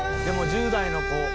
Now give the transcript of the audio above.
でも１０代の子。